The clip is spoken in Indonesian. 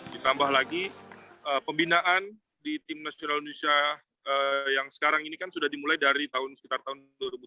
ditambah lagi pembinaan di tim nasional indonesia yang sekarang ini kan sudah dimulai dari tahun sekitar tahun dua ribu tujuh belas